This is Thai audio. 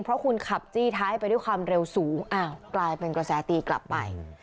เพราะคุณขับจี้ท้ายไปด้วยความเร็วสูงอ้าวกลายเป็นกระแสตีกลับไป